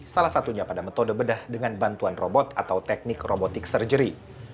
salah satunya pada metode bedah dengan bantuan robot atau teknik robotik surgery